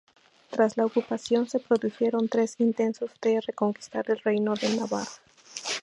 Tras la ocupación se produjeron tres intentos de reconquistar el Reino de Navarra.